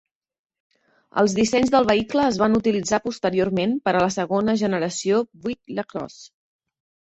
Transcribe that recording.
Els dissenys del vehicle es van utilitzar posteriorment per a la segona generació Buick LaCrosse.